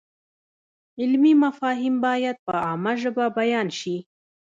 علمي مفاهیم باید په عامه ژبه بیان شي.